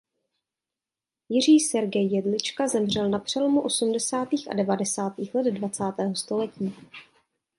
Jiří Sergej Jedlička zemřel na přelomu osmdesátých a devadesátých let dvacátého století.